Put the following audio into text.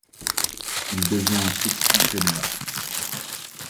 Il devient ensuite entraineur.